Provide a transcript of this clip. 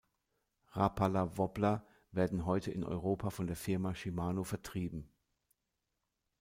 Rapala-Wobbler werden heute in Europa von der Firma Shimano vertrieben.